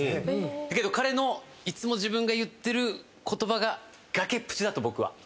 だけど、彼のいつも自分が言ってる言葉が「崖っぷちだ僕は」。